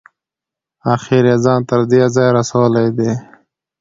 اخیر یې ځان تر دې ځایه رسولی دی.